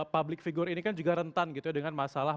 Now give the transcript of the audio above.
public figure ini kan juga rentan gitu ya dengan masalah